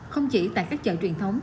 không chỉ tại các chợ truyền thống